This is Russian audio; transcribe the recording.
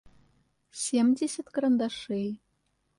семьдесят карандашей